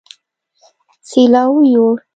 سېلاو يوړ